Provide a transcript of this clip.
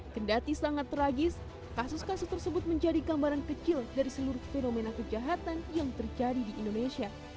kendati sangat tragis kasus kasus tersebut menjadi gambaran kecil dari seluruh fenomena kejahatan yang terjadi di indonesia